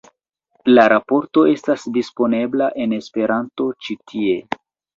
La raporto estas disponebla en Esperanto ĉi tie.